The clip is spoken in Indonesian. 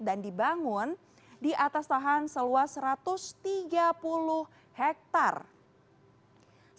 dan dibangun di atas tohan seluas satu ratus tiga puluh hektare